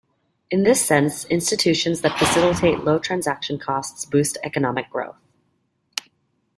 In this sense, institutions that facilitate low transaction costs, boost economic growth.